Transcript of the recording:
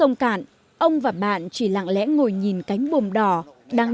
ông cùng người anh em bạn bè khi xưa lại kéo cánh buồm lên